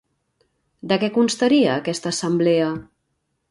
De què constaria aquesta assemblea?